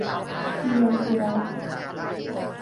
เธียรสุรัตน์